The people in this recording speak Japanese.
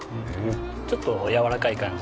ちょっとやわらかい感じ。